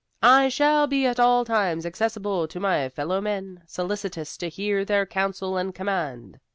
I shall be at all times accessible to my fellow men, solicitous to hear their counsel and command.